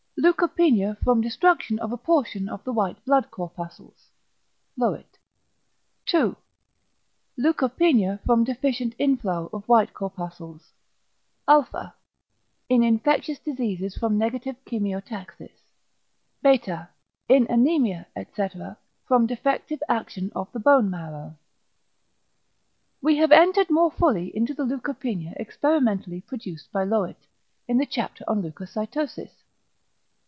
Leukopenia from =destruction of a portion of the white blood corpuscles= (Löwit); 2. Leukopenia from =deficient inflow of white corpuscles=: [alpha]. in infectious diseases from =negative chemiotaxis=; [beta]. in anæmia etc. from =defective action of the bone marrow=. We have entered more fully into the leukopenia experimentally produced by Löwit, in the chapter on leucocytosis.